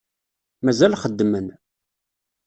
Mazal xeddmen.